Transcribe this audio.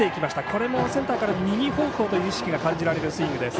これもセンターから右方向という意識が感じられるスイングです。